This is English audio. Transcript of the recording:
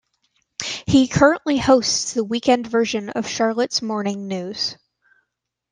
He currently hosts the weekend version of "Charlotte's Morning News".